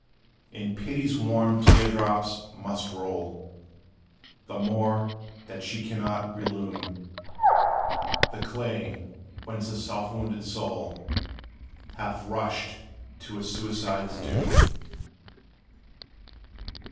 And Pity's warm tear drops must roll The more, that she cannot relume The clay whence the self wounded soul Hath rushed to a suicide's doom.